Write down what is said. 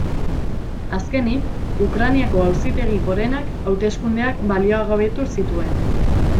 Azkenik, Ukrainako Auzitegi Gorenak hauteskundeak baliogabetu zituen.